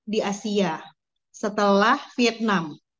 di asia setelah vietnam